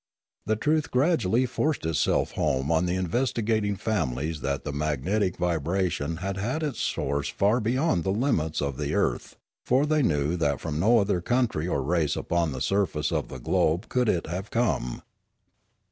The truth gradually forced itself home on the investigating families that the magnetic vibra tion had had its source far beyond the limits of the earth; for they knew that from no other country or race upon the surface of the globe could it have come.